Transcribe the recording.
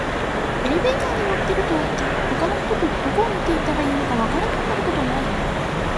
エレベーターに乗ってると、他の人とどこを見ていたらいいか分からなくなることない？